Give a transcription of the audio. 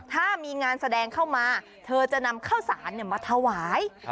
ถ้ามีงานแสดงเข้ามาเธอจะนำข้าวสารมาถวาย